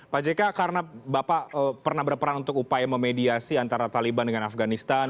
pak jk karena bapak pernah berperan untuk upaya memediasi antara taliban dengan afganistan